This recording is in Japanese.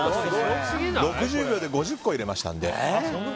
６０秒で５０個入れました。